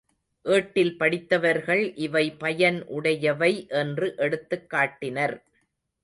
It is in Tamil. ஏட்டில் படித்தவர்கள் இவை பயன் உடையவை என்று எடுத்துக் காட்டினர்.